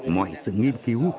mọi sự nghiên cứu